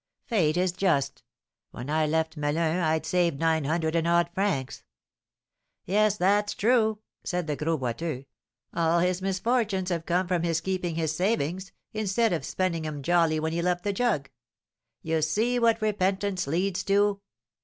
Fate is just! When I left Melun I'd saved nine hundred and odd francs." "Yes, that's true," said the Gros Boiteux, "all his misfortunes have come from his keeping his savings, instead of spending 'em jolly when he left the 'jug.' You see what repentance leads to!"